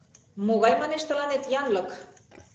— Могай, манеш, тыланет янлык.